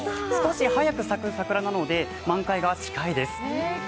少し早く咲く桜なので満開が近いです。